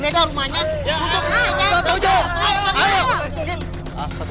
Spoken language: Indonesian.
gw kan yang pindah ke